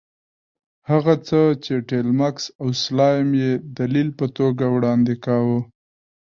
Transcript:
هغه څه چې ټیلمکس او سلایم یې دلیل په توګه وړاندې کاوه.